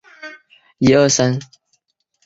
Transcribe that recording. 该站接驳公交东门口站。